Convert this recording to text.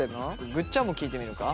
ぐっちゃんも聞いてみるか。